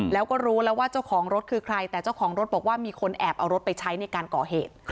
แล้วก็รู้แล้วว่าเจ้าของรถคือใครแต่เจ้าของรถบอกว่ามีคนแอบเอารถไปใช้ในการก่อเหตุ